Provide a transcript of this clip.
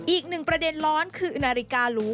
อีกหนึ่งประเด็นร้อนคือนาฬิกาหรู